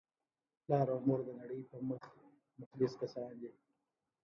پلار او مور دنړۍ په مخ مخلص کسان دي